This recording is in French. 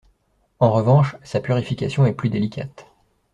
En revanche, sa purification est plus délicate.